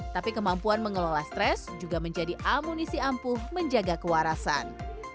tapi kemampuan mengelola stres juga menjadi amunisi ampuh menjaga kewarasan